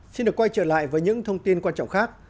xin được quay trở lại với những thông tin quan trọng khác